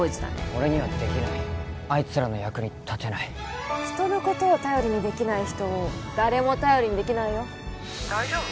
俺にはできないあいつらの役に立てない人のことを頼りにできない人を誰も頼りにできないよ大丈夫？